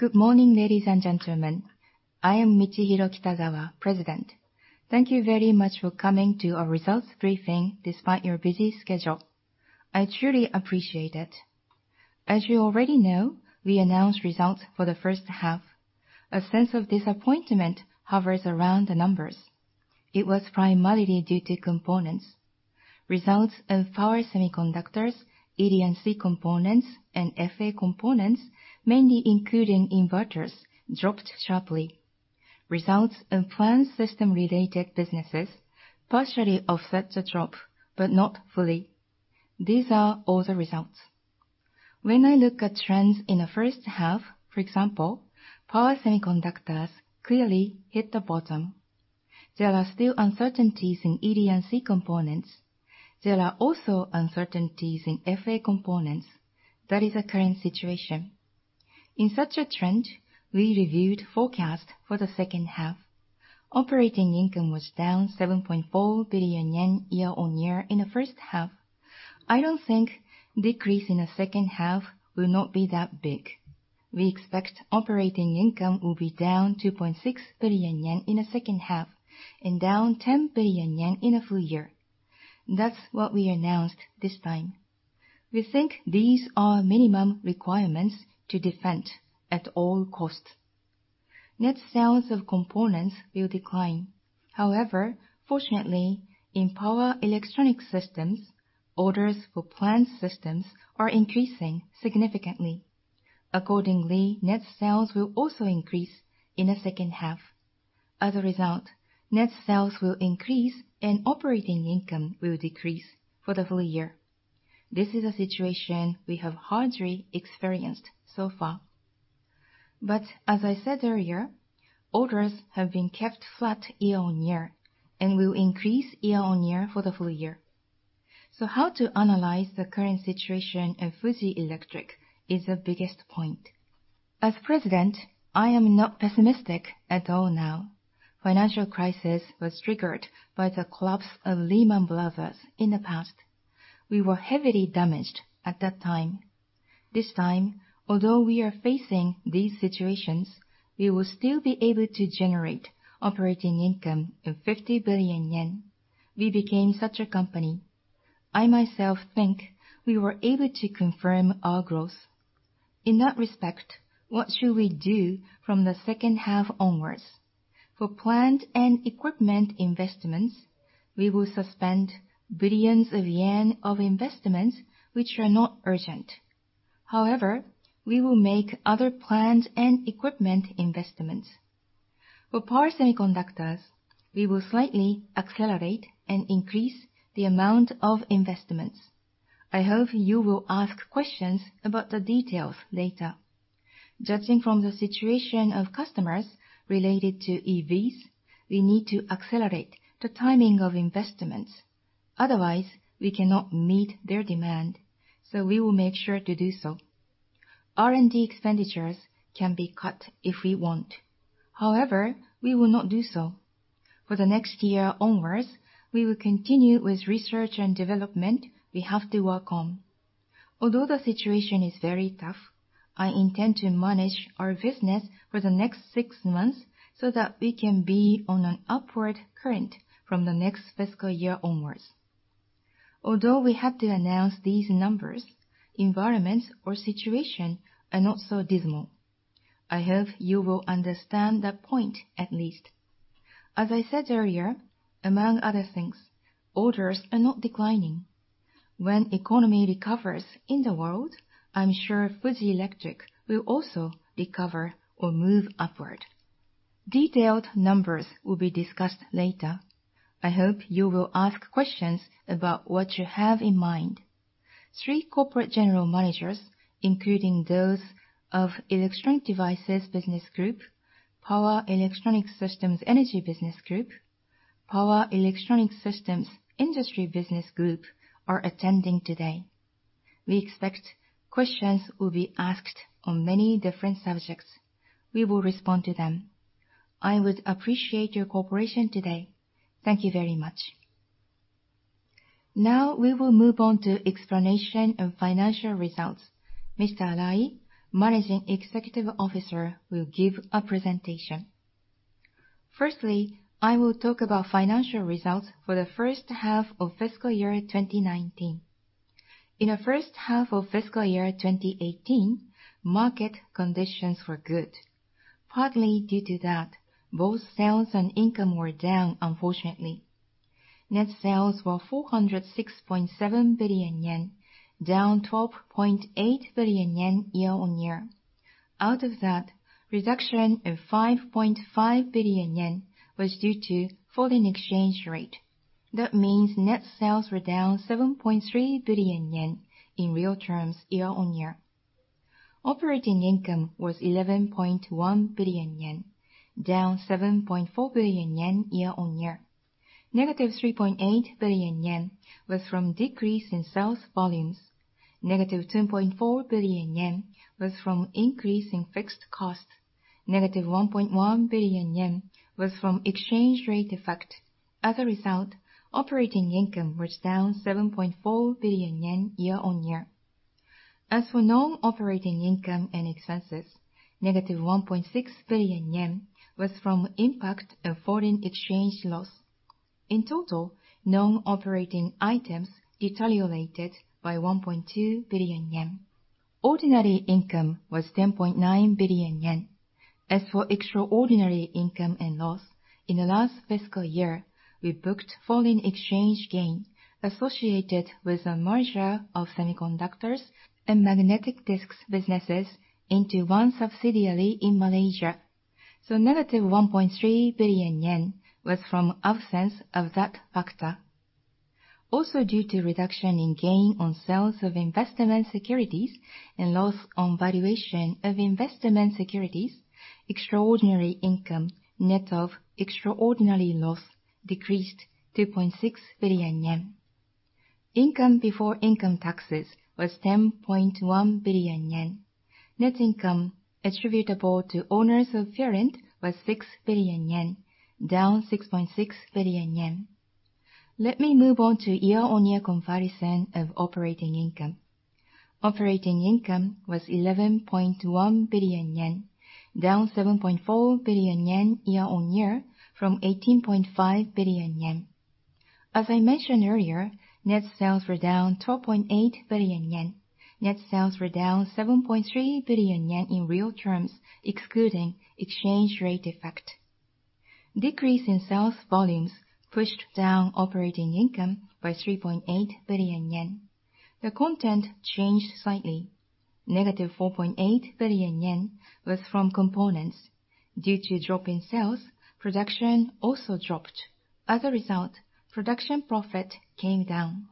Good morning, ladies and gentlemen. I am Michihiro Kitazawa, President. Thank you very much for coming to our results briefing despite your busy schedule. I truly appreciate it. As you already know, we announced results for the first half. A sense of disappointment hovers around the numbers. It was primarily due to components. Results in Power Semiconductors, ED&C components, and FA components, mainly including inverters, dropped sharply. Results in plant system related businesses partially offset the drop, but not fully. These are all the results. When I look at trends in the first half, for example, Power Semiconductors clearly hit the bottom. There are still uncertainties in ED&C components. There are also uncertainties in FA components. That is the current situation. In such a trend, we reviewed forecast for the second half. Operating income was down 7.4 billion yen year-on-year in the first half. I don't think decrease in the second half will not be that big. We expect operating income will be down 2.6 billion yen in the second half, and down 10 billion yen in the full year. That's what we announced this time. We think these are minimum requirements to defend at all costs. Net sales of components will decline. Fortunately, in power electronic systems, orders for plant systems are increasing significantly. Accordingly, net sales will also increase in the second half. As a result, net sales will increase and operating income will decrease for the full year. This is a situation we have hardly experienced so far. As I said earlier, orders have been kept flat year-over-year and will increase year-over-year for the full year. How to analyze the current situation of Fuji Electric is the biggest point. As president, I am not pessimistic at all now. Financial crisis was triggered by the collapse of Lehman Brothers in the past. We were heavily damaged at that time. This time, although we are facing these situations, we will still be able to generate operating income of 50 billion yen. We became such a company. I myself think we were able to confirm our growth. In that respect, what should we do from the second half onwards? For plant and equipment investments, we will suspend billions of JPY of investments which are not urgent. We will make other plans and equipment investments. For power semiconductors, we will slightly accelerate and increase the amount of investments. I hope you will ask questions about the details later. Judging from the situation of customers related to EVs, we need to accelerate the timing of investments. Otherwise, we cannot meet their demand. We will make sure to do so. R&D expenditures can be cut if we want. However, we will not do so. For the next year onwards, we will continue with research and development we have to work on. The situation is very tough, I intend to manage our business for the next six months so that we can be on an upward current from the next fiscal year onwards. We had to announce these numbers, environments or situation are not so dismal. I hope you will understand that point at least. As I said earlier, among other things, orders are not declining. Economy recovers in the world, I'm sure Fuji Electric will also recover or move upward. Detailed numbers will be discussed later. I hope you will ask questions about what you have in mind. Three corporate general managers, including those of Electronic Devices Business, Power Electronics Energy Business Group, Power Electronics Industry Business Group, are attending today. We expect questions will be asked on many different subjects. We will respond to them. I would appreciate your cooperation today. Thank you very much. We will move on to explanation of financial results. Mr. Arai, Senior Managing Executive Officer, will give a presentation. Firstly, I will talk about financial results for the first half of fiscal year 2019. In the first half of fiscal year 2018, market conditions were good. Partly due to that, both sales and income were down unfortunately. Net sales were 406.7 billion yen, down 12.8 billion yen year-on-year. Out of that, reduction of 5.5 billion yen was due to foreign exchange rate. That means net sales were down 7.3 billion yen in real terms year-on-year. Operating income was 11.1 billion yen, down 7.4 billion yen year-on-year. Negative 3.8 billion yen was from decrease in sales volumes. Negative 2.4 billion yen was from increase in fixed cost. Negative 1.1 billion yen was from exchange rate effect. As a result, operating income was down 7.4 billion yen year-on-year. As for non-operating income and expenses, negative 1.6 billion yen was from impact of foreign exchange loss. In total, non-operating items deteriorated by 1.2 billion yen. Ordinary income was 10.9 billion yen. As for extraordinary income and loss in the last fiscal year, we booked foreign exchange gain associated with the merger of semiconductors and magnetic disks businesses into one subsidiary in Malaysia. Negative 1.3 billion yen was from absence of that factor. Due to reduction in gain on sales of investment securities and loss on valuation of investment securities, extraordinary income net of extraordinary loss decreased 2.6 billion yen. Income before income taxes was 10.1 billion yen. Net income attributable to owners of parent was 6 billion yen, down 6.6 billion yen. Let me move on to year-on-year comparison of operating income. Operating income was 11.1 billion yen, down 7.4 billion yen year-on-year from 18.5 billion yen. As I mentioned earlier, net sales were down 12.8 billion yen. Net sales were down 7.3 billion yen in real terms, excluding exchange rate effect. Decrease in sales volumes pushed down operating income by 3.8 billion yen. The content changed slightly. Negative 4.8 billion yen was from components. Due to drop in sales, production also dropped. As a result, production profit came down.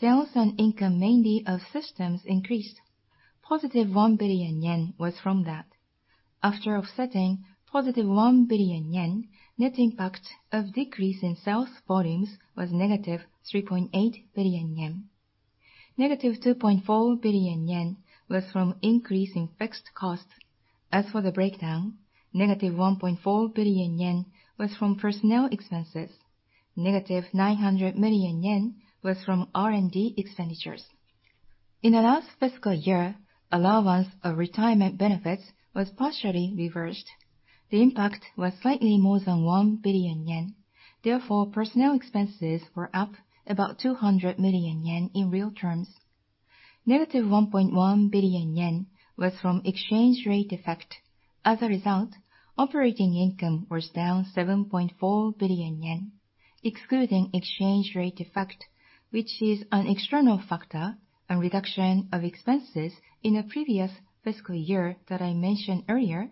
Sales and income mainly of systems increased. Positive 1 billion yen was from that. After offsetting positive 1 billion yen, net impact of decrease in sales volumes was negative 3.8 billion yen. Negative 2.4 billion yen was from increase in fixed costs. As for the breakdown, negative 1.4 billion yen was from personnel expenses. Negative 900 million yen was from R&D expenditures. In the last fiscal year, allowance of retirement benefits was partially reversed. The impact was slightly more than 1 billion yen. Therefore, personnel expenses were up about 200 million yen in real terms. Negative 1.1 billion yen was from exchange rate effect. As a result, operating income was down 7.4 billion yen. Excluding exchange rate effect, which is an external factor, a reduction of expenses in the previous fiscal year that I mentioned earlier,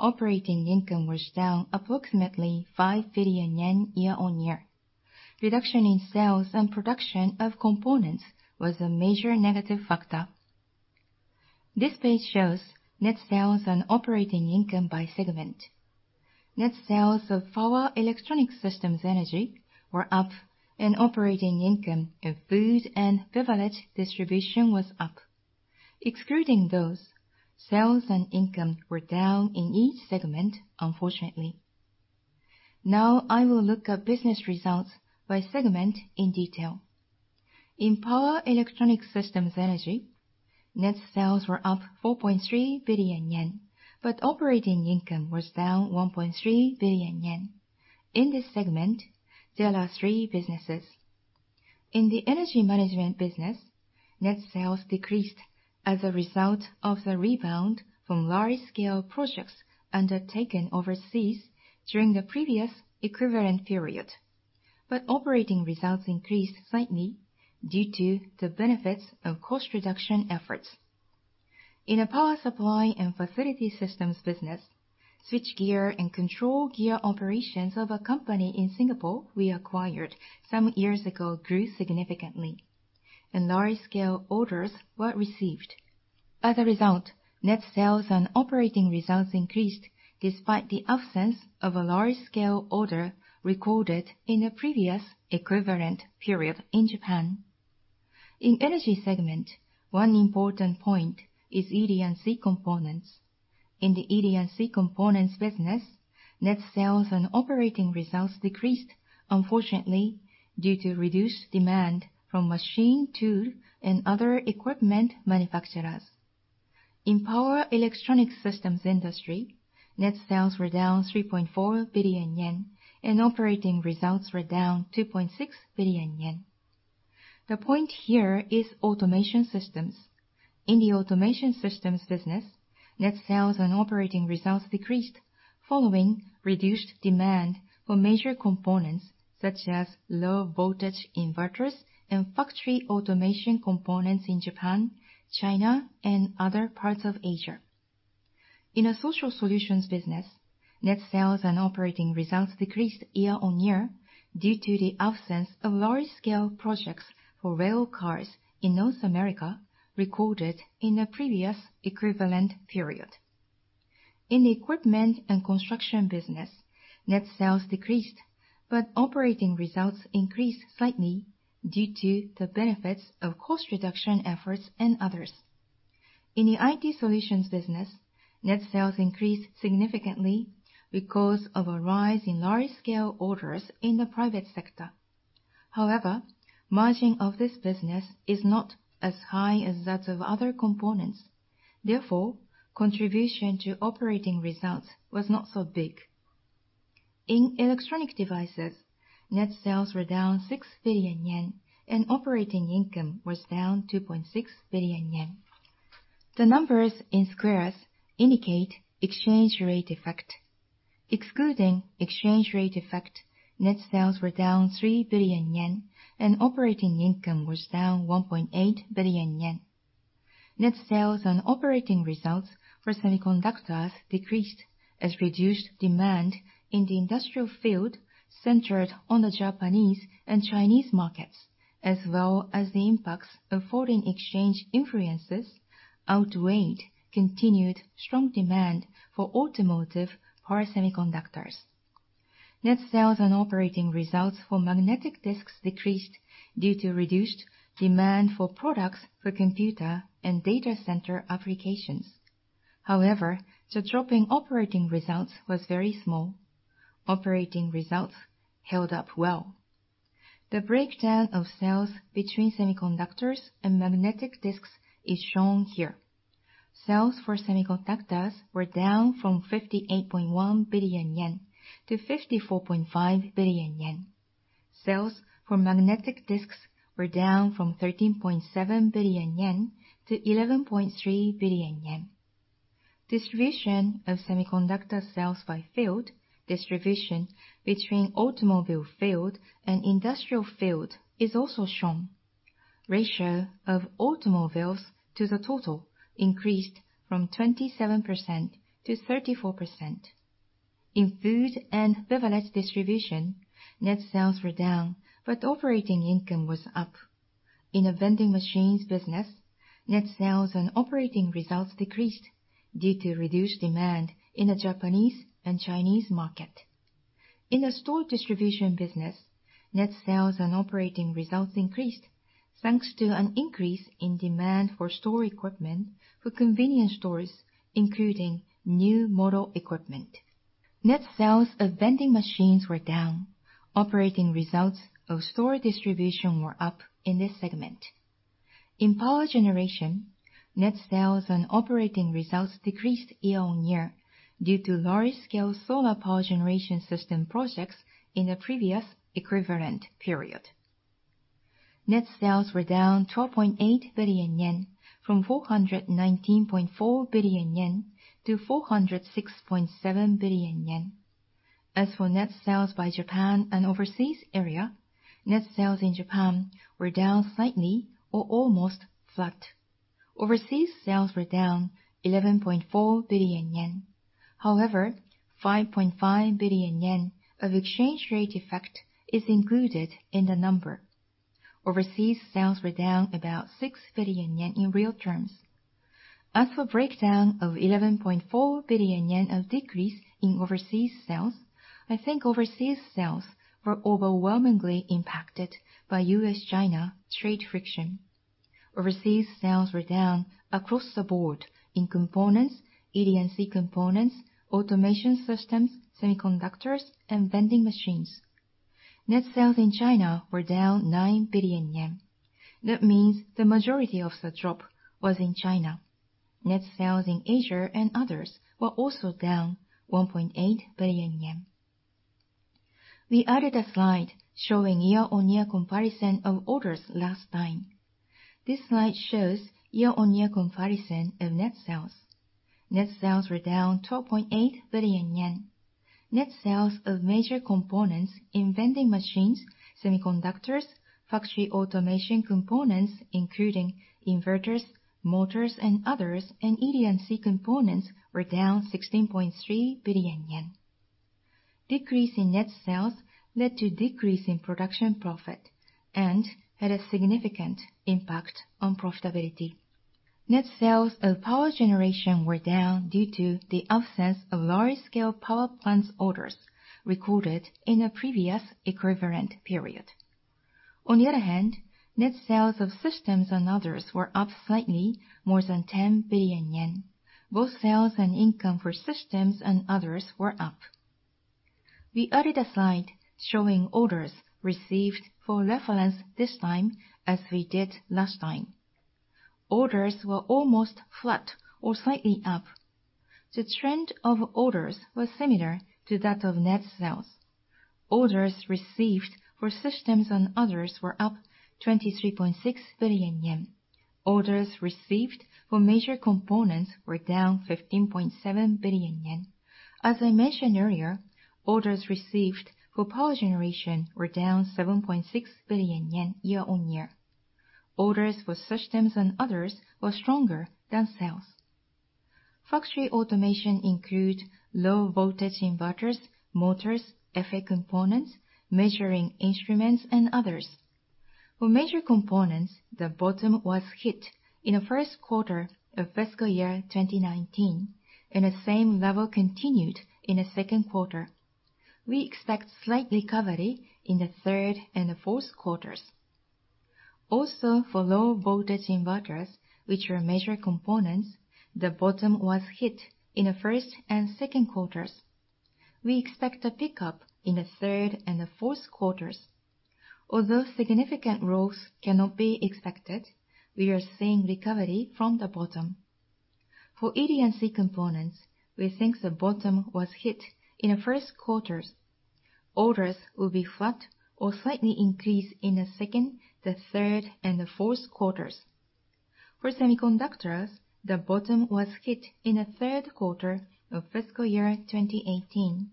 operating income was down approximately 5 billion yen year-on-year. Reduction in sales and production of components was a major negative factor. This page shows net sales and operating income by segment. Net sales of Power Electronics Energy Business Group were up, and operating income of Food and Beverage Distribution was up. Excluding those, sales and income were down in each segment, unfortunately. I will look at business results by segment in detail. In Power Electronics Energy Business Group, net sales were up 4.3 billion yen, but operating income was down 1.3 billion yen. In this segment, there are three businesses. In the energy management business, net sales decreased as a result of the rebound from large-scale projects undertaken overseas during the previous equivalent period. Operating results increased slightly due to the benefits of cost reduction efforts. In a power supply and facility systems business, switchgear and control gear operations of a company in Singapore we acquired some years ago grew significantly, and large-scale orders were received. As a result, net sales and operating results increased despite the absence of a large-scale order recorded in the previous equivalent period in Japan. In Energy segment, one important point is ED&C components. In the ED&C components business, net sales and operating results decreased, unfortunately, due to reduced demand from machine, tool, and other equipment manufacturers. In Power Electronics Systems Industry, net sales were down 3.4 billion yen, and operating results were down 2.6 billion yen. The point here is automation systems. In the automation systems business, net sales and operating results decreased following reduced demand for major components such as low voltage inverters and factory automation components in Japan, China, and other parts of Asia. In a social solutions business, net sales and operating results decreased year-on-year due to the absence of large-scale projects for rail cars in North America recorded in the previous equivalent period. In equipment and construction business, net sales decreased. Operating results increased slightly due to the benefits of cost reduction efforts and others. In the IT solutions business, net sales increased significantly because of a rise in large-scale orders in the private sector. However, margin of this business is not as high as that of other components, therefore, contribution to operating results was not so big. In Electronic Devices, net sales were down 6 billion yen, and operating income was down 2.6 billion yen. The numbers in squares indicate exchange rate effect. Excluding exchange rate effect, net sales were down 3 billion yen, and operating income was down 1.8 billion yen. Net sales and operating results for semiconductors decreased as reduced demand in the industrial field centered on the Japanese and Chinese markets, as well as the impacts of foreign exchange influences outweighed continued strong demand for automotive power semiconductors. Net sales and operating results for magnetic disks decreased due to reduced demand for products for computer and data center applications. However, the drop in operating results was very small. Operating results held up well. The breakdown of sales between semiconductors and magnetic disks is shown here. Sales for semiconductors were down from 58.1 billion yen to 54.5 billion yen. Sales for magnetic disks were down from 13.7 billion yen to 11.3 billion yen. Distribution of semiconductor sales by field, distribution between automobile field and industrial field is also shown. Ratio of automobiles to the total increased from 27% to 34%. In Food and Beverage Distribution, net sales were down, but operating income was up. In the vending machines business, net sales and operating results decreased due to reduced demand in the Japanese and Chinese market. In the store distribution business, net sales and operating results increased, thanks to an increase in demand for store equipment for convenience stores, including new model equipment. Net sales of vending machines were down. Operating results of store distribution were up in this segment. In power generation, net sales and operating results decreased year-on-year due to large-scale solar power generation system projects in the previous equivalent period. Net sales were down 12.8 billion yen, from 419.4 billion yen to 406.7 billion yen. As for net sales by Japan and overseas area, net sales in Japan were down slightly or almost flat. Overseas sales were down 11.4 billion yen. However, 5.5 billion yen of exchange rate effect is included in the number. Overseas sales were down about 6 billion yen in real terms. As for breakdown of 11.4 billion yen of decrease in overseas sales, I think overseas sales were overwhelmingly impacted by US-China trade friction. Overseas sales were down across the board in components, ED&C components, automation systems, semiconductors, and vending machines. Net sales in China were down 9 billion yen. That means the majority of the drop was in China. Net sales in Asia and others were also down 1.8 billion yen. We added a slide showing year-over-year comparison of orders last time. This slide shows year-over-year comparison of net sales. Net sales were down 12.8 billion yen. Net sales of major components in vending machines, semiconductors, factory automation components, including low voltage inverters, motors, and others, and ED&C components were down 16.3 billion yen. Decrease in net sales led to decrease in production profit and had a significant impact on profitability. Net sales of power generation were down due to the absence of large-scale power plants orders recorded in the previous equivalent period. On the other hand, net sales of systems and others were up slightly more than 10 billion yen. Both sales and income for systems and others were up. We added a slide showing orders received for reference this time as we did last time. Orders were almost flat or slightly up. The trend of orders was similar to that of net sales. Orders received for systems and others were up 23.6 billion yen. Orders received for major components were down 15.7 billion yen. As I mentioned earlier, orders received for power generation were down 7.6 billion yen year-on-year. Orders for systems and others were stronger than sales. Factory automation include low voltage inverters, motors, FA components, measuring instruments, and others. For major components, the bottom was hit in the first quarter of fiscal year 2019, and the same level continued in the second quarter. We expect slight recovery in the third and the fourth quarters. For low voltage inverters, which are major components, the bottom was hit in the first and second quarters. We expect a pickup in the third and the fourth quarters. Although significant growth cannot be expected, we are seeing recovery from the bottom. For ED&C components, we think the bottom was hit in the first quarters. Orders will be flat or slightly increase in the second, the third, and the fourth quarters. For semiconductors, the bottom was hit in the third quarter of fiscal year 2018,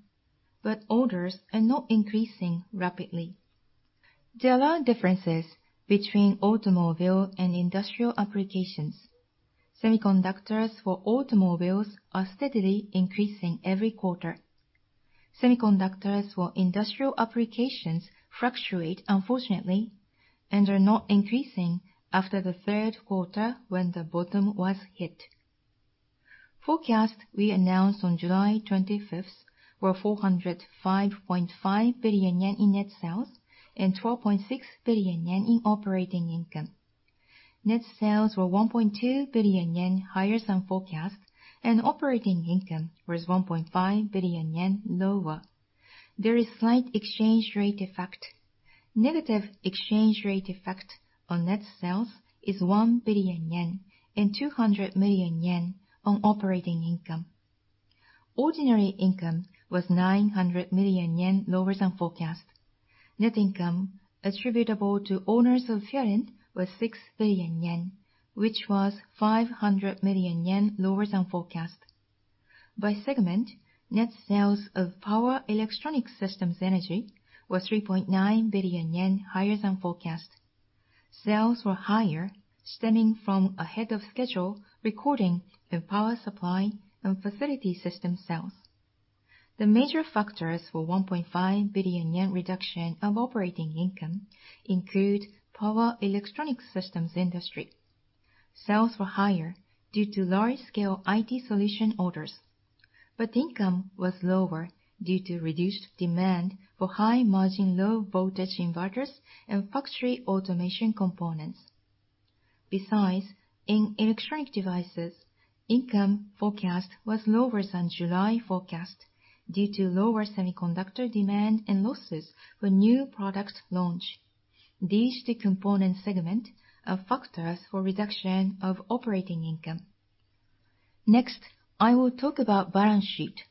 orders are not increasing rapidly. There are differences between automobile and industrial applications. Semiconductors for automobiles are steadily increasing every quarter. Semiconductors for industrial applications fluctuate, unfortunately, and are not increasing after the third quarter when the bottom was hit. Forecasts we announced on July 25th were 405.5 billion yen in net sales and 12.6 billion yen in operating income. Net sales were 1.2 billion yen higher than forecast, and operating income was 1.5 billion yen lower. There is slight exchange rate effect. Negative exchange rate effect on net sales is 1 billion yen and 200 million yen on operating income. Ordinary income was 900 million yen lower than forecast. Net income attributable to owners of parent was 6 billion yen, which was 500 million yen lower than forecast. By segment, net sales of Power Electronics Energy Business Group were 3.9 billion yen higher than forecast. Sales were higher stemming from ahead of schedule recording of power supply and facility systems sales. The major factors for 1.5 billion yen reduction of operating income include Power Electronics Industry Business Group. Sales were higher due to large scale IT solutions orders. Income was lower due to reduced demand for high margin, low voltage inverters and factory automation components. In Electronic Devices Business, income forecast was lower than July forecast due to lower semiconductor demand and losses for new product launch. These two component segment are factors for reduction of operating income. Next, I will talk about balance sheet.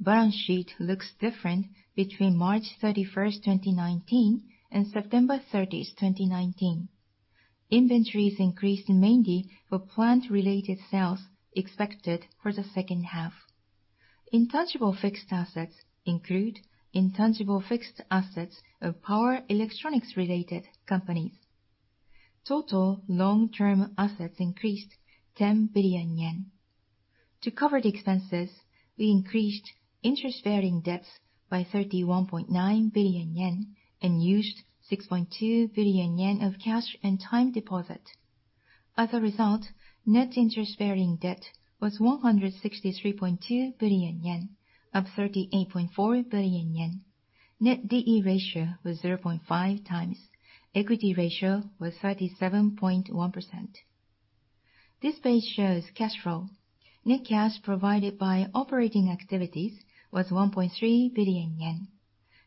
Balance sheet looks different between March 31st, 2019, and September 30th, 2019. Inventories increased mainly for plant-related sales expected for the second half. Intangible fixed assets include intangible fixed assets of power electronics related companies. Total long-term assets increased 10 billion yen. To cover the expenses, we increased interest-bearing debts by 31.9 billion yen and used 6.2 billion yen of cash and time deposit. As a result, net interest-bearing debt was 163.2 billion yen, up 38.4 billion yen. Net D/E ratio was 0.5 times. Equity ratio was 37.1%. This page shows cash flow. Net cash provided by operating activities was 1.3 billion yen.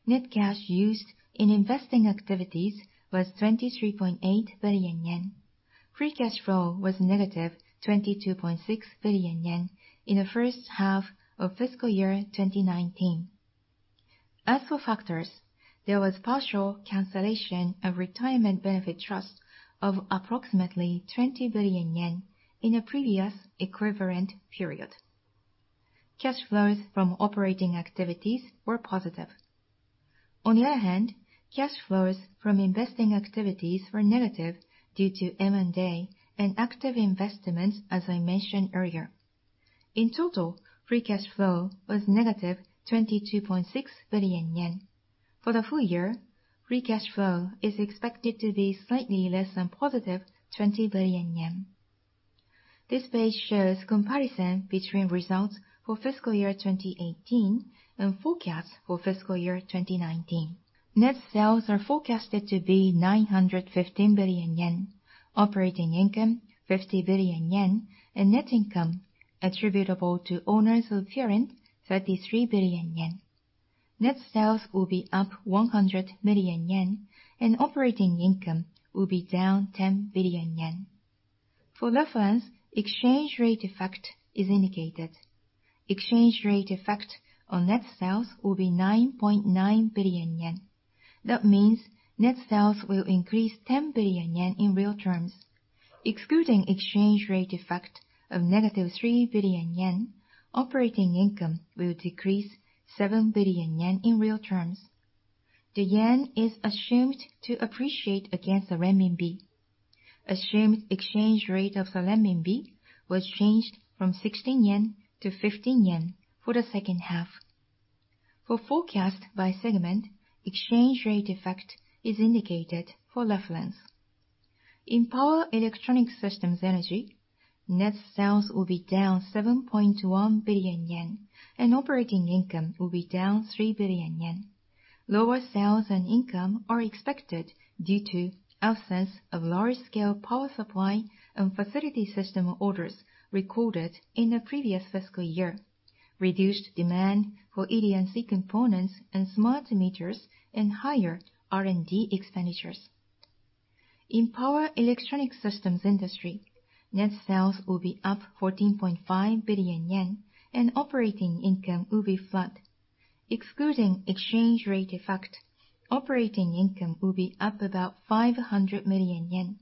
Net cash used in investing activities was 23.8 billion yen. Free cash flow was negative 22.6 billion yen in the first half of fiscal year 2019. As for factors, there was partial cancellation of retirement benefit trust of approximately 20 billion yen in the previous equivalent period. Cash flows from operating activities were positive. Cash flows from investing activities were negative due to M&A and active investments, as I mentioned earlier. Free cash flow was negative 22.6 billion yen. For the full year, free cash flow is expected to be slightly less than positive 20 billion yen. This page shows comparison between results for fiscal year 2018 and forecast for fiscal year 2019. Net sales are forecasted to be 915 billion yen, operating income 50 billion yen, and net income attributable to owners of parent 33 billion yen. Net sales will be up 100 million yen, and operating income will be down 10 billion yen. For reference, exchange rate effect is indicated. Exchange rate effect on net sales will be 9.9 billion yen. That means net sales will increase 10 billion yen in real terms. Excluding exchange rate effect of negative 3 billion yen, operating income will decrease 7 billion yen in real terms. The yen is assumed to appreciate against the renminbi. Assumed exchange rate of the renminbi was changed from 16 yen to 15 yen for the second half. For forecast by segment, exchange rate effect is indicated for reference. In Power Electronic Systems Energy, net sales will be down 7.1 billion yen and operating income will be down 3 billion yen. Lower sales and income are expected due to absence of large-scale power supply and facility system orders recorded in the previous fiscal year, reduced demand for ED&C components and smart meters, and higher R&D expenditures. In Power Electronic Systems Industry, net sales will be up 14.5 billion yen and operating income will be flat. Excluding exchange rate effect, operating income will be up about 500 million yen.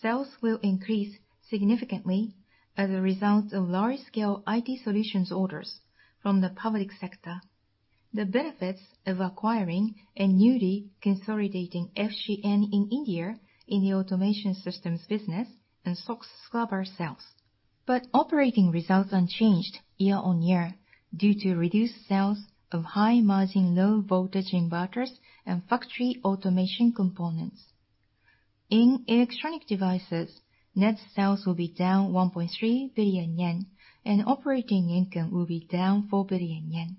Sales will increase significantly as a result of large-scale IT solutions orders from the public sector, the benefits of acquiring and newly consolidating FGN in India in the automation systems business, and SOx scrubber sales. Operating results unchanged year-on-year due to reduced sales of high-margin low voltage inverters and factory automation components. In Electronic Devices, net sales will be down 1.3 billion yen and operating income will be down 4 billion yen.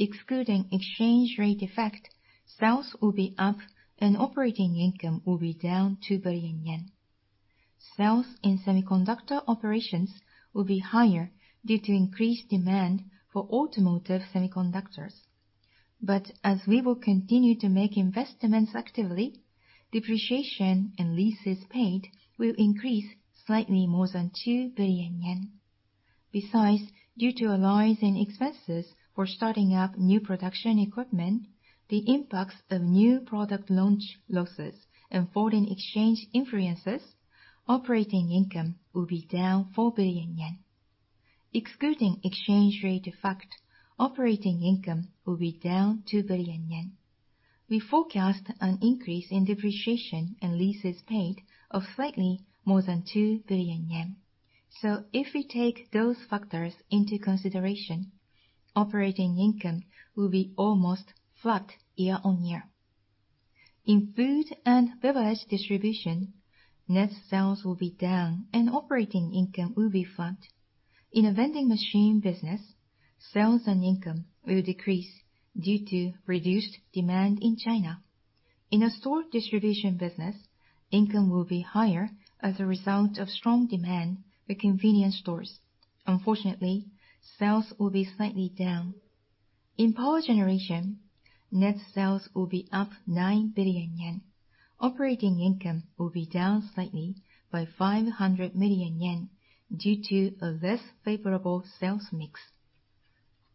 Excluding exchange rate effect, sales will be up and operating income will be down 2 billion yen. Sales in semiconductor operations will be higher due to increased demand for automotive power semiconductors. As we will continue to make investments actively, depreciation and leases paid will increase slightly more than 2 billion yen. Besides, due to a rise in expenses for starting up new production equipment, the impacts of new product launch losses and foreign exchange influences, operating income will be down 4 billion yen. Excluding exchange rate effect, operating income will be down 2 billion yen. We forecast an increase in depreciation and leases paid of slightly more than 2 billion yen. If we take those factors into consideration, operating income will be almost flat year-over-year. In Food & Beverage Distribution, net sales will be down and operating income will be flat. In the vending machine business, sales and income will decrease due to reduced demand in China. In the store distribution business, income will be higher as a result of strong demand for convenience stores. Unfortunately, sales will be slightly down. In power generation, net sales will be up 9 billion yen. Operating income will be down slightly by 500 million yen due to a less favorable sales mix.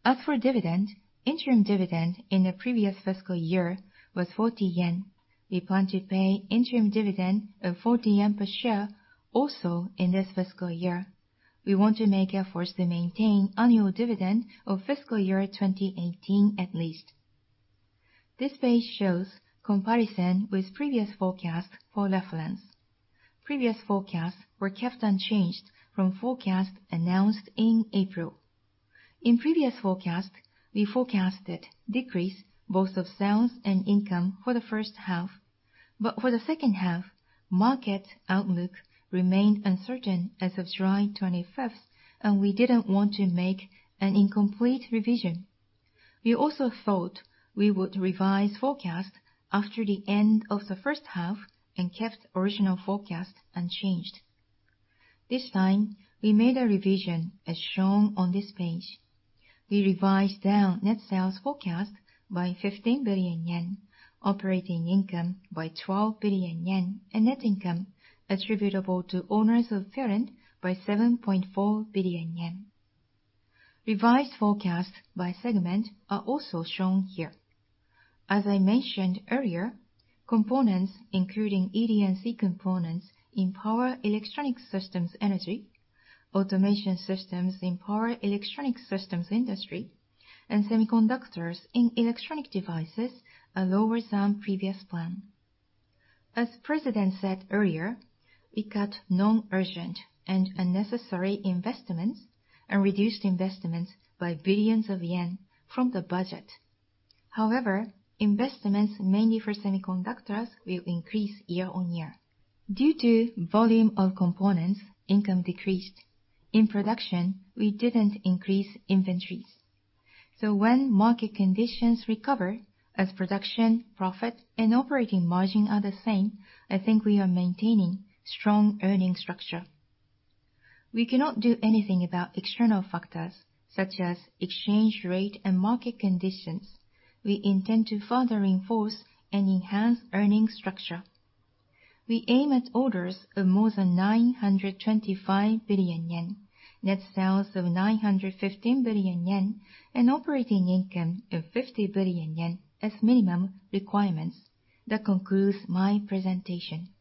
As for dividend, interim dividend in the previous fiscal year was 40 yen. We plan to pay interim dividend of 40 yen per share also in this fiscal year. We want to make efforts to maintain annual dividend of fiscal year 2018 at least. This page shows comparison with previous forecasts for reference. Previous forecasts were kept unchanged from forecasts announced in April. In previous forecasts, we forecasted decrease both of sales and income for the first half. For the second half, market outlook remained uncertain as of July 25th and we didn't want to make an incomplete revision. We also thought we would revise forecasts after the end of the first half and kept original forecasts unchanged. This time, we made a revision as shown on this page. We revised down net sales forecast by 15 billion yen, operating income by 12 billion yen, and net income attributable to owners of parent by 7.4 billion yen. Revised forecasts by segment are also shown here. As I mentioned earlier, components including ED&C components in Power Electronics Energy, automation systems in Power Electronics Industry, and semiconductors in Electronic Devices are lower than previous plan. As President said earlier, we cut non-urgent and unnecessary investments and reduced investments by billions yen from the budget. Investments mainly for semiconductors will increase year-on-year. Due to volume of components, income decreased. In production, we didn't increase inventories. When market conditions recover, as production, profit, and operating margin are the same, I think we are maintaining strong earning structure. We cannot do anything about external factors such as exchange rate and market conditions. We intend to further reinforce and enhance earning structure. We aim at orders of more than 925 billion yen, net sales of 915 billion yen, and operating income of 50 billion yen as minimum requirements. That concludes my presentation.